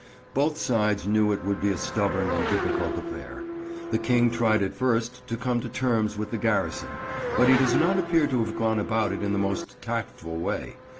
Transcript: Both sides knew it would be a stubborn and difficult affair. The King tried at first to come to terms with the garrison, but he does not appear to have gone about it in the most tactful way.